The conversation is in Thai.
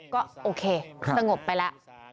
ก็โอเคสงบไปแล้ว